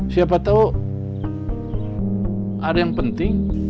siapa tahu ada yang penting